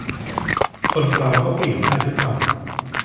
คนเราก็เปลี่ยนได้ทุกวัน